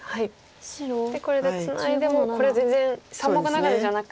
でこれでツナいでもこれ全然３目中手じゃなく。